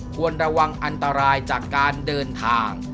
ควรระวังอันตรายจากการเดินทาง